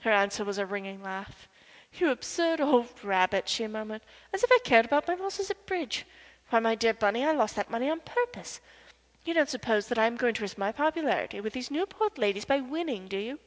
Her answer was a ringing laugh. "You absurd old rabbit," she murmured. "As if I cared about my losses at bridge! Why, my dear Bunny, I lost that money on purpose. You don't suppose that I am going to risk my popularity with these Newport ladies by winning, do you?